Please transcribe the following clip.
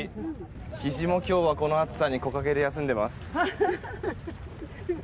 キジも今日はこの暑さに木陰で休んでいます。